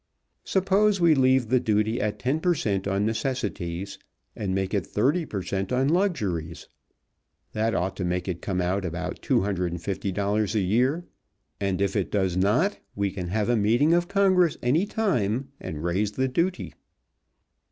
Suppose we leave the duty at ten per cent. on necessities, and make it thirty per cent. on luxuries? That ought to make it come out about two hundred and fifty dollars a year, and if it does not we can have a meeting of congress any time and raise the duty."